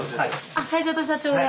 あ会長と社長が。